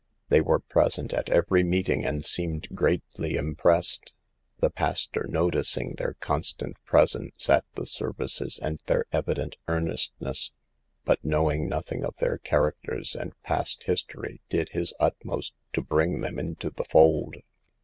They were present at every meeting and seemed greatly impressed. 'The pastor, noticing their constant presence at the services and their evident earnestness, but knowing nothing of their characters and past history, did his utmost to bring them into the fold.